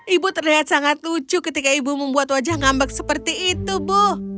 ibu terlihat sangat lucu ketika ibu membuat wajah ngambek seperti itu bu